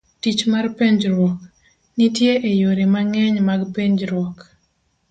Tich mar penjruok .nitie e yore mang'eny mag penjruok.